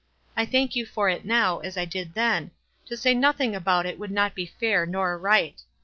"I thank you for it now, as I did then — to say nothing about it would not be fair nor risrht.